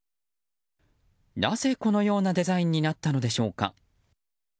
なぜ、このようなデザインになったのでしょうか。